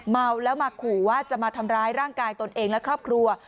เมาแล้วมาขู่ว่าจะมาทำร้ายร่างกายตนเองและครอบครัว